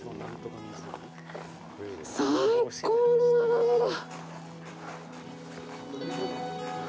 最高な眺めだ。